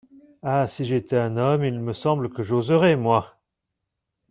Ah ! si j’étais homme, il me semble que j’oserais, moi !…